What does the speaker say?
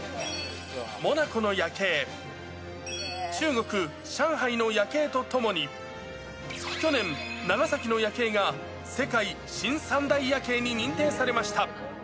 モナコの夜景、中国・上海の夜景とともに、去年、長崎の夜景が世界新三大夜景に認定されました。